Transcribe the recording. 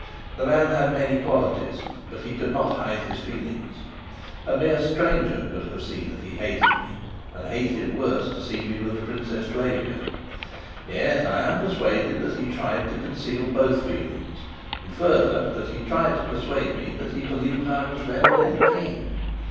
The man had many qualities, but he could not hide his feelings. A mere stranger could have seen that he hated me, and hated worse to see me with Princess Flavia; yet I am persuaded that he tried to conceal both feelings, and, further, that he tried to persuade me that he believed I was verily the King.